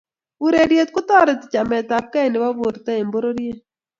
ureryeet kotoreti chametabgei nebo borto eng bororiet